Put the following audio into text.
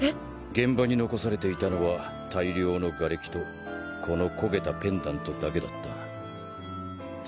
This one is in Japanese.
現場に残されていたのは大量のがれきとこの焦げたペンダントだけだった。